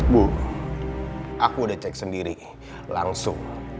bu aku udah cek sendiri langsung